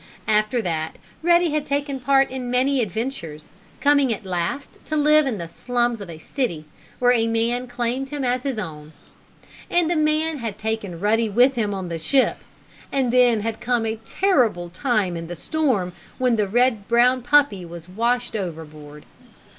After that Ruddy had taken part in many adventures, coming at last to live in the slums of a city, where a man claimed him as his own. And the man had taken Ruddy with him on the ship, and then had come a terrible time in the storm, when the red brown puppy was washed overboard.